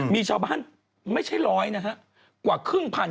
มีชาวบ้านไม่ใช่ร้อยนะฮะกว่าครึ่งพัน